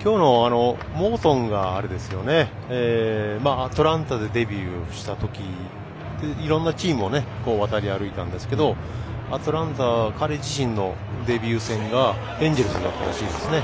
きょうのモートンがアトランタでデビューしたときいろんなチームを渡り歩いたんですけどアトランタ、彼自身のデビュー戦がエンジェルスだったらしいんですよね。